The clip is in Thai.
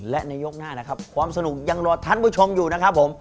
และในยกหน้านะครับความสนุกยังรอท่านผู้ชมอยู่นะครับผม